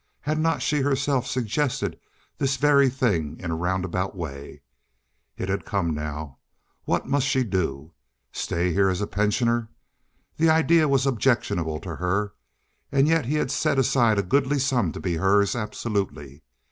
Had not she herself suggested this very thing in a roundabout way? It had come now. What must she do? Stay here as a pensioner? The idea was objectionable to her. And yet he had set aside a goodly sum to be hers absolutely.